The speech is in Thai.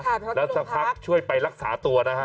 และจะพักช่วยไปรักษาตัวนะคะ